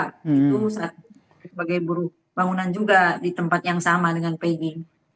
itu sebagai buruh bangunan juga di tempat yang sama dengan pg